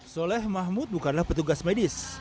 soleh mahmud bukanlah petugas medis